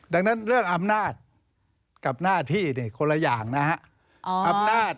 ดังนั้นเรื่องอำนาจกับหน้าที่คนละอย่างนะฮะอำนาจ